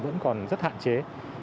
vẫn còn rất hạn chế